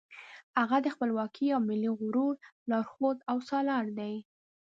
هغه د خپلواکۍ او ملي غرور لارښود او سالار دی.